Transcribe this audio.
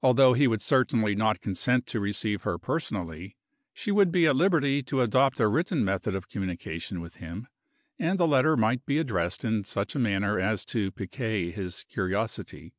Although he would certainly not consent to receive her personally, she would be at liberty to adopt a written method of communication with him, and the letter might be addressed in such a manner as to pique his curiosity.